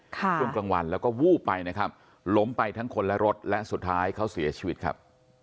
ช่วงกลางวันแล้วก็วูบไปนะครับล้มไปทั้งคนและรถและสุดท้ายเขาเสียชีวิตครับ